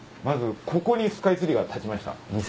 まずここにスカイツリーが建ちました。